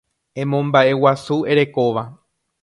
Emomba'eguasu erekóva